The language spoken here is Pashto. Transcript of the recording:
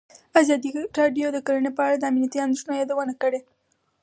ازادي راډیو د کرهنه په اړه د امنیتي اندېښنو یادونه کړې.